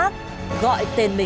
cũng rất e rè